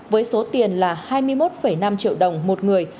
với số tiền là hai mươi một năm triệu đồng một người